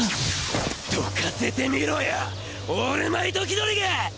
どかせてみろよオールマイト気取りが！